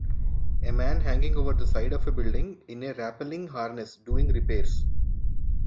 A man hanging over the side of a building in a rappelling harness doing repairs.